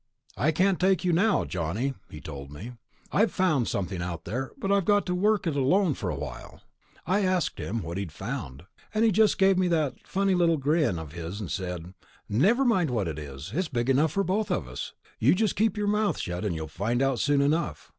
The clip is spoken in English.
'I can't take you now, Johnny,' he told me. 'I've found something out there, but I've got to work it alone for a while.' I asked him what he'd found, and he just gave me that funny little grin of his and said, 'Never mind what it is, it's big enough for both of us. You just keep your mouth shut, and you'll find out soon enough.'